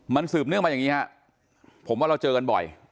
มันสืบเนื่องมาอย่างนี้ฮะผมว่าเราเจอกันบ่อย